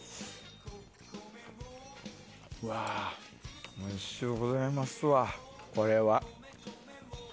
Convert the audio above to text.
うわー、おいしゅうございますわこれは。